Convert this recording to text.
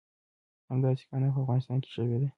همداسې کانه په افغانستان کې شوې ده.